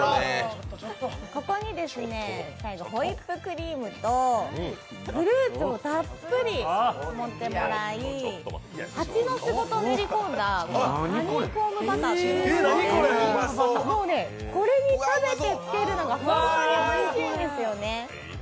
ここに最後、ホイップクリームとフルーツをたっぷり盛ってもらい、蜂の巣ごと練り込んだハニーコームバターというのがあって、これにつけて食べるのが本当においしいんですよね。